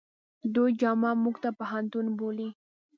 دوی جامعه موته پوهنتون بولي.